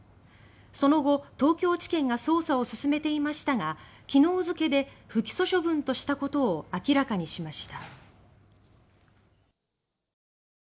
その後、東京地検が捜査を進めていましたが昨日付けで不起訴処分としたことを明らかにしました。